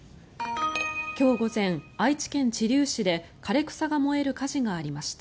今日午前、愛知県知立市で枯れ草が燃える火事がありました。